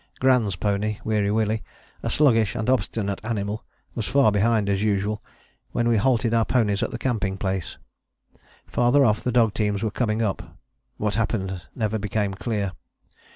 Gran's pony, Weary Willie, a sluggish and obstinate animal, was far behind, as usual, when we halted our ponies at the camping place. Farther off the dog teams were coming up. What happened never became clear.